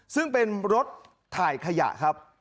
ซึ่งเป็นรถถ่ายขยะครับ